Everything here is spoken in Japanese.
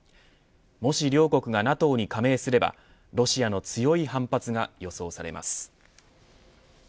もし両国がＮＡＴＯに加盟すればロシアの強い反発が予想されます。